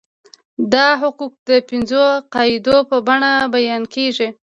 دا حقوق د پنځو قاعدو په بڼه بیان کیږي.